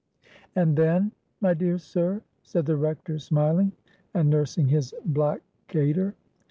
"And then, my dear sir?" said the Rector, smiling; and nursing his black gaiter.